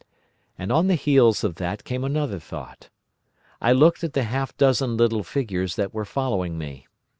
"And on the heels of that came another thought. I looked at the half dozen little figures that were following me.